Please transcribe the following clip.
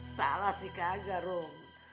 salah sih kagak rom